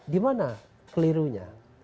di mana kelirunya